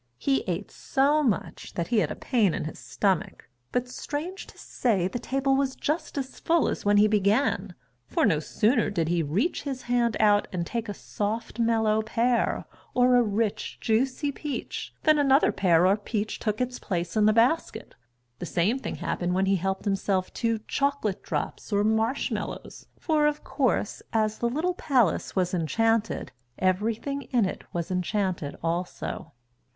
He ate so much that he had a pain in his stomach, but strange to say, the table was just as full as when he began, for no sooner did he reach his hand out and take a soft, mellow pear or a rich, juicy peach than another pear or peach took its place in the basket. The same thing happened when he helped himself to chocolate drops or marsh mallows, for of course, as the little palace was enchanted, everything in it was enchanted also.